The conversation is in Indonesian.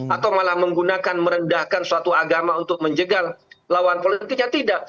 atau malah menggunakan merendahkan suatu agama untuk menjegal lawan politiknya tidak